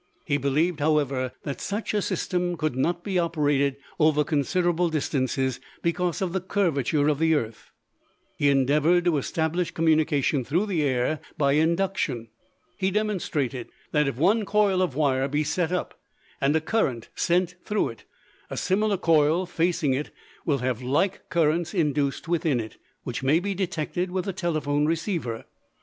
He believed, however, that such a system could not be operated over considerable distances because of the curvature of the earth. He endeavored to establish communication through the air by induction. He demonstrated that if one coil of wire be set up and a current sent through it, a similar coil facing it will have like currents induced within it, which may be detected with a telephone receiver.